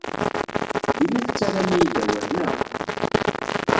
Dima tettarram-iyi-d awal, naɣ?